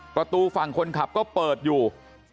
ประตูฝั่งคนขับก็เปิดอยู่